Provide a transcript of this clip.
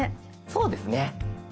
そうですね。